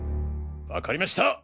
わかりました！